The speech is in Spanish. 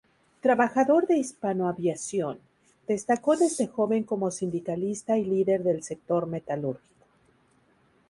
Trabajador de Hispano Aviación, destacó desde joven como sindicalista y líder del sector metalúrgico.